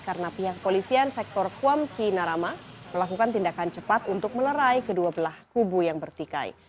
karena pihak kepolisian sektor kuamki narama melakukan tindakan cepat untuk melerai kedua belah kubu yang bertikai